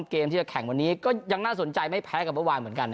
เกมที่จะแข่งวันนี้ก็ยังน่าสนใจไม่แพ้กับเมื่อวานเหมือนกัน